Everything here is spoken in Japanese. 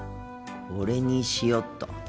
これにしよっと。